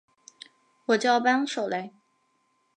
我叫帮手来